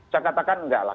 saya katakan tidak lah